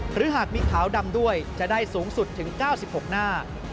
หรือหากมีขาวดำด้วยจะได้สูงสุดถึง๙๖หน้า